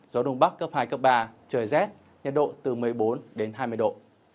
gió đông bắc cấp hai cấp ba trời rét nhiệt độ từ một mươi bốn đến hai mươi độ